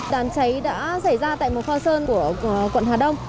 đám cháy đã xảy ra tại một kho sơn của quận hà đông